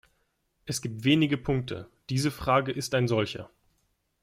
Es gibt wenige Punkte! Diese Frage ist ein solcher!